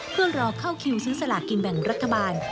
เพื่อรอเข้าคิวซื้อสลากกินแบ่งรัฐบาล